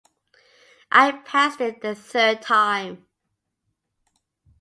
I passed it the third time.